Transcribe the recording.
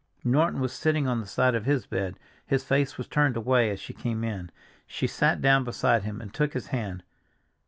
Norton was sitting on the side of his bed; his face was turned away as she came in. She sat down beside him and took his hand.